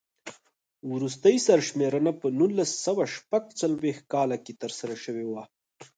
وروستۍ سر شمېرنه په نولس سوه شپږ څلوېښت کال کې ترسره شوې وه.